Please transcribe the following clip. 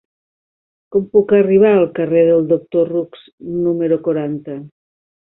Com puc arribar al carrer del Doctor Roux número quaranta?